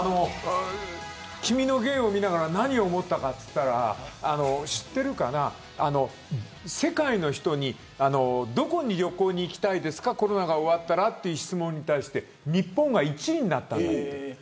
君の芸を見ながら何を思ったかといったら知ってるかな、世界の人にどこに旅行に行きたいですかコロナが終わったらと言う質問に対して日本が１位になったんだって。